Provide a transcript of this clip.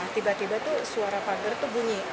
nah tiba tiba tuh suara pager tuh bunyi